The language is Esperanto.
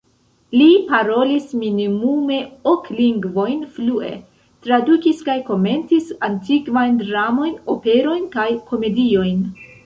Li parolis minimume ok lingvojn flue, tradukis kaj komentis antikvajn dramojn, operojn kaj komediojn.